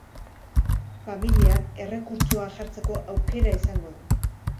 Familiak errekurtsoa jartzeko aukera izango du.